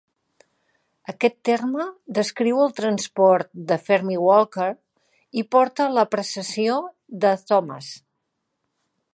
Aquest terme descriu el transport de Fermi-Walker i porta a la precessió de Thomas.